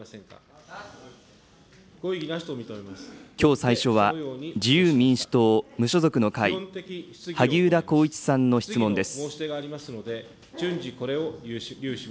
きょう最初は、自由民主党・無所属の会、萩生田光一さんの質問です。